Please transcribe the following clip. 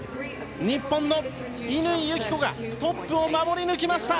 日本の乾友紀子がトップを守り抜きました！